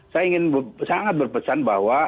saya ingin sangat berpesan bahwa